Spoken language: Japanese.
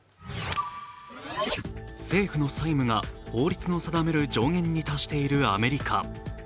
政府の債務が法律の定める上限に達しているアメリカ。